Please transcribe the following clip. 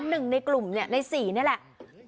หนึ่งในกลุ่มเนี่ยใน๔นี่แหละ